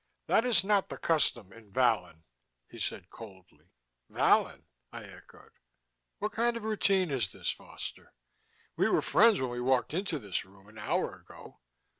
"That is not the custom in Vallon," he said coldly. "Vallon?" I echoed. "What kind of routine is this, Foster? We were friends when we walked into this room an hour ago.